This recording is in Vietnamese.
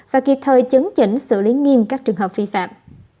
và kịp thời chấn chỉnh xử lý nghiêm các trường hợp vi phạm